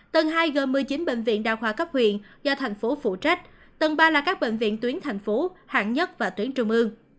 tầng hai gồm một mươi chín bệnh viện đa khoa cấp huyện do thành phố phụ trách tầng ba là các bệnh viện tuyến thành phố hạng nhất và tuyến trung ương